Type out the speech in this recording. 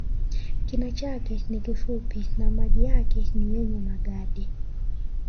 Kina chake ni kifupi na maji yake ni yenye magadi